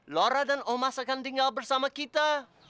lora dan omas akan tinggal bersama kita